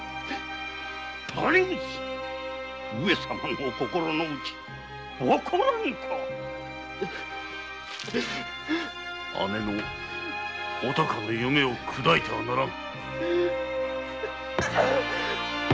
上様のお心のうちわからぬのか⁉姉のお孝の夢を砕いてはならぬ。